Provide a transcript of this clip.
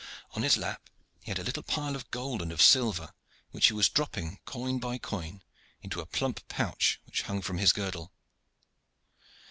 On his lap he had a little pile of gold and of silver, which he was dropping, coin by coin, into a plump pouch which hung from his girdle.